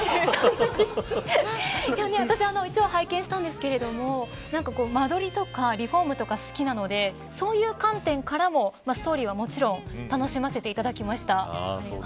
私、一応拝見したんですけど間取りとかリフォームが好きなのでそういう観点からもストーリーはもちろん楽しませていただきました。